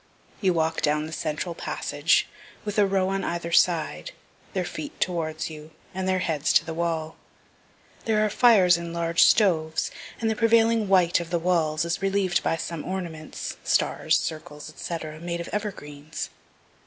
You walk down the central passage, with a row on either side, their feet towards you, and their heads to the wall. There are fires in large stoves, and the prevailing white of the walls is reliev'd by some ornaments, stars, circles, &c., made of evergreens.